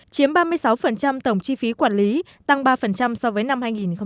chiếm ba mươi sáu tổng chi phí quản lý tăng ba so với năm hai nghìn một mươi bảy